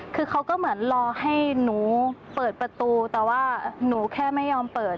คือเขาก็เหมือนรอให้หนูเปิดประตูแต่ว่าหนูแค่ไม่ยอมเปิด